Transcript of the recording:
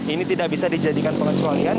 ini tidak bisa dijadikan pengecualian